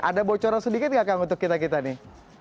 ada bocoran sedikit nggak kang untuk kita kita nih